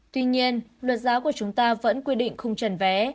tuy nhiên luật giáo của chúng ta vẫn quyết định không trần vé